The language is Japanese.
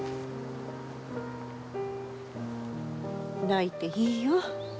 泣いていいよ。